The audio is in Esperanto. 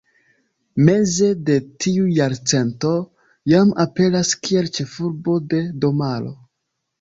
Meze de tiu jarcento, jam aperas kiel ĉefurbo de domaro.